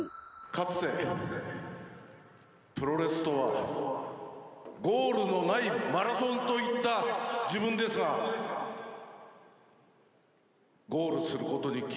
かつてプロレスとはゴールのないマラソンと言った自分ですがゴールする事に決めました。